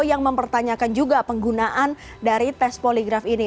yang mempertanyakan juga penggunaan dari tes poligraf ini